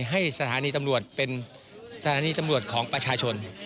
ให้สถานีตำรวจเป็นสถานีตำรวจของประชาชน